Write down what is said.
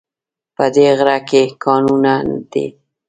په دی غره کې کانونه دي